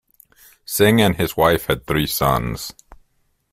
Singh and his wife had three sons.